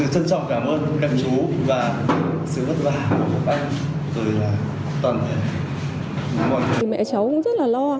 chúng tôi trân trọng cảm ơn các chú và sự vất vả của các anh tôi là toàn thể